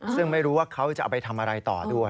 ซึ่งไม่รู้ว่าเขาจะเอาไปทำอะไรต่อด้วย